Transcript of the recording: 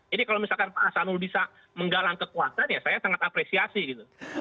ini kalau misalkan pak hasanul bisa menggalang kekuatan ya saya sangat apresiasi gitu